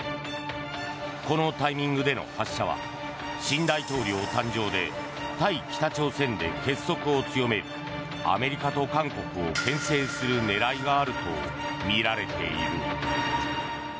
このタイミングでの発射は新大統領誕生で対北朝鮮で結束を強めるアメリカと韓国をけん制する狙いがあるとみられている。